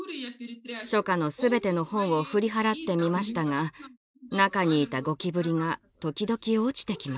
書架のすべての本を振り払ってみましたが中にいたゴキブリが時々落ちてきました。